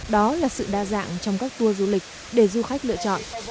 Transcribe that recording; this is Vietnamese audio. đó là sự đa dạng trong các tour du lịch để du khách lựa chọn